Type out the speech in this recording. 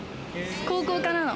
高校からの。